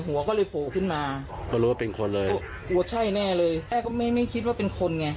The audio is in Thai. หัวก็เลยโผล่ขึ้นมาก็รู้ว่าเป็นคนเลยกลัวใช่แน่เลยแอ้ก็ไม่ไม่คิดว่าเป็นคนไง